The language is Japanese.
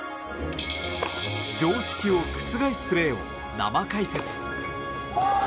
常識を覆すプレーを生解説。